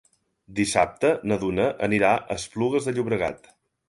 Dissabte na Duna anirà a Esplugues de Llobregat.